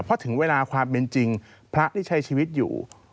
เพราะถึงเวลาความเป็นจริงพระที่ใช้ชีวิตอยู่